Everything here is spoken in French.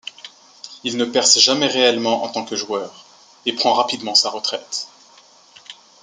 Il ne perce jamais réellement en tant que joueur, et prend rapidement sa retraite.